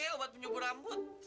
obat penyumbur rambut